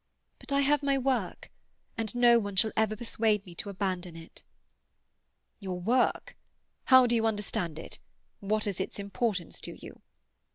But I have my work, and no one shall ever persuade me to abandon it." "Your work? How do you understand it? What is its importance to you?"